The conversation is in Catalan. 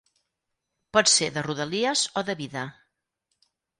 Pot ser de rodalies o de vida.